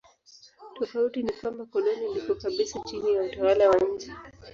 Tofauti ni kwamba koloni liko kabisa chini ya utawala wa nje.